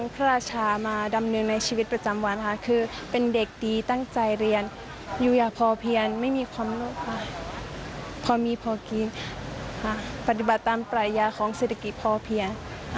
พอมีพอกินปฏิบัติตามปรายาของเศรษฐกิจพอเพียง